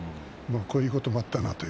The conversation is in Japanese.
こういうこともあったなと。